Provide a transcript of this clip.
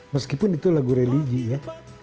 meskipun itu lagu religi ya